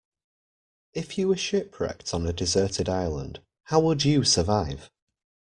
If you were shipwrecked on a deserted island, how would you survive?